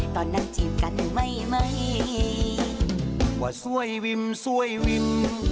ตอนนั้นจีบกันไม่ไหมว่าสวยวิมสวยวิม